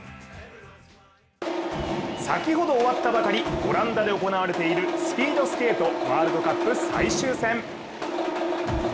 先ほど終わったばかりオランダで行われたスピードスケートワールドカップ最終戦。